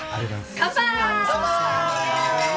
乾杯！